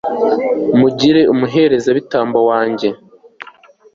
mugira umuherezabitambo wanjye